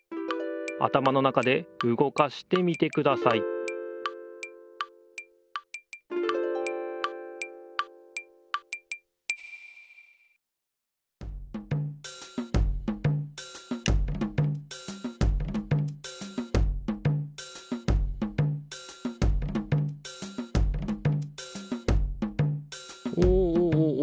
あたまの中でうごかしてみてくださいおおおお。